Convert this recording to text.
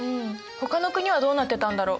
ほかの国はどうなってたんだろう？